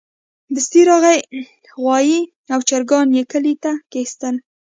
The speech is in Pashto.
دستي راغی غوايي او چرګان يې کلي ته کېستل.